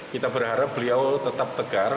kita berharap beliau tetap tegar